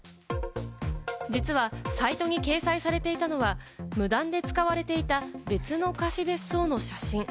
実はサイトに掲載されていたのは、無断で使われていた、別の貸別荘の写真。